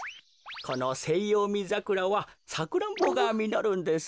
このセイヨウミザクラはサクランボがみのるんです。